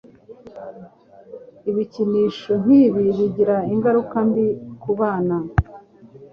Ibikinisho nkibi bigira ingaruka mbi kubana.